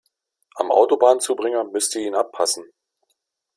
Am Autobahnzubringer müsst ihr ihn abpassen.